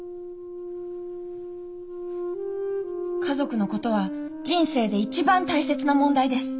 家族のことは人生で一番大切な問題です。